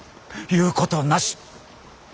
言うことなし！